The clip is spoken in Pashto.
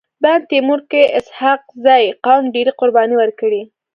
بند تيمور کي اسحق زي قوم ډيري قرباني ورکړي.